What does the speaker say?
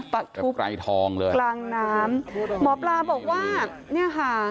ทูบไรทองเลยกลางน้ำหมอปลาบอกว่าเนี่ยค่ะ